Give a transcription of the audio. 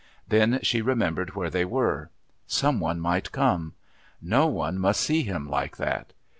Then she remembered where they were. Some one might come. No one must see him like that.